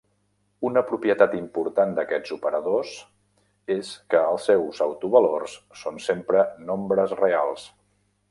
Una propietat important d'aquests operadors és que els seus autovalors són sempre nombres reals.